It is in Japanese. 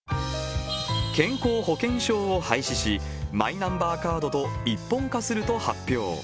健康保険証を廃止し、マイナンバーカードと一本化すると発表。